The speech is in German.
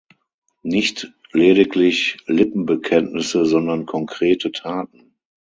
Nicht lediglich Lippenbekenntnisse, sondern konkrete Taten!